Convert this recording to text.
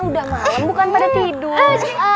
udah malam bukan pada tidur